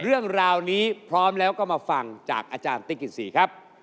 เรื่องราวนี้พร้อมแล้วก็มาฟังจากอาจารย์ติ๊กกิศรีครับ